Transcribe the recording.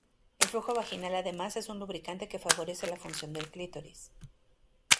El flujo vaginal además es un lubricante que favorece la función del clítoris.